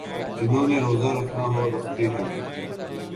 جنہوں نے روزہ رکھنا ہو رکھتے ہیں۔